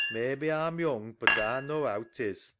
May be A'm young, but A knaw 'ow 'tis.